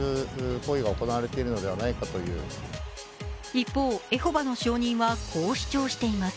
一方、エホバの証人はこう主張しています。